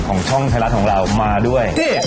ของช่องไทยร้านของเรามาด้วย